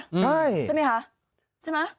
ใช่ใช่ไหมคะใช่ไหม